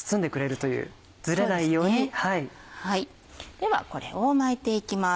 ではこれを巻いていきます。